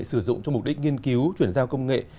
sử dụng cho mục đích nghiên cứu chuyển giao công nghệ